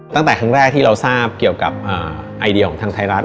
ตั้งแต่ครั้งแรกที่เราทราบเกี่ยวกับไอเดียของทางไทยรัฐ